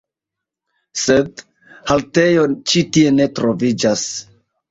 Sed haltejo ĉi tie ne troviĝas.